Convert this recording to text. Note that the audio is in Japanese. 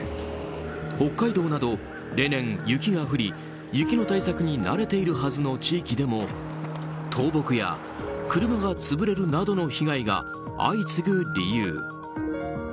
北海道など例年、雪が降り雪の対策に慣れているはずの地域でも倒木や車が潰れるなどの被害が相次ぐ理由。